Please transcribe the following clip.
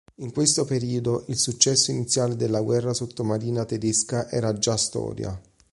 In questo periodo, il successo iniziale della guerra sottomarina tedesca era già storia.